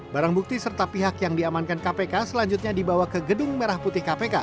barang bukti serta pihak yang diamankan kpk selanjutnya dibawa ke gedung merah putih kpk